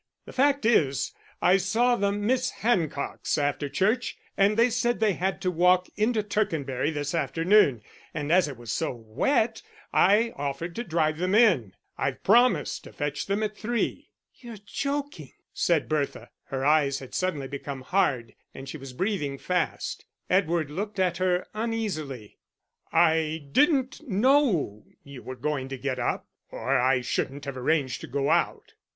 The fact is, I saw the Miss Hancocks after church, and they said they had to walk into Tercanbury this afternoon, and as it was so wet I offered to drive them in. I've promised to fetch them at three." "You're joking," said Bertha; her eyes had suddenly become hard, and she was breathing fast. Edward looked at her uneasily. "I didn't know you were going to get up, or I shouldn't have arranged to go out."